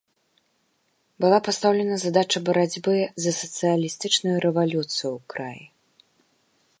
Была пастаўлена задача барацьбы за сацыялістычную рэвалюцыю ў краі.